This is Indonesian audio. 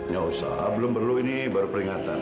gausah belum perlu ini baru peringatan